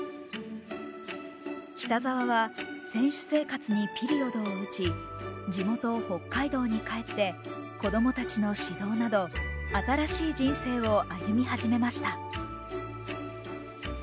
北沢は選手生活にピリオドを打ち地元・北海道に帰って子どもたちの指導など新しい人生を歩み始めました。